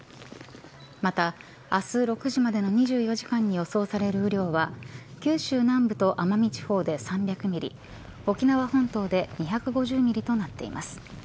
また、明日６時までの２４時間に予想される雨量は九州南部と奄美地方で３００ミリ沖縄本島で２５０ミリとなっています。